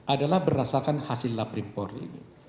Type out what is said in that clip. adalah berasakan hasil laprim porri